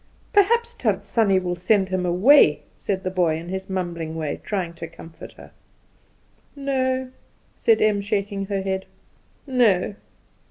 "Perhaps Tant Sannie will send him away," said the boy, in his mumbling way, trying to comfort her. "No," said Em, shaking her head; "no.